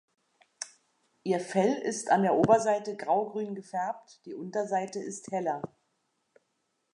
Ihr Fell ist an der Oberseite graugrün gefärbt, die Unterseite ist heller.